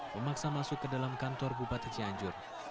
memaksa masuk ke dalam kantor bupati cianjur